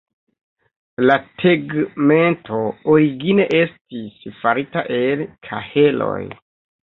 La tegmento origine estis farita el kaheloj.